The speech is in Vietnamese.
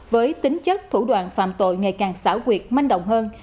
với tính chất thủ đoạn phạm tội ngày càng xảo quyệt manh động hơn